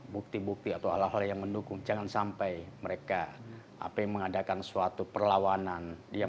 bukti bukti atau hal hal yang mendukung jangan sampai mereka apa yang mengadakan suatu perlawanan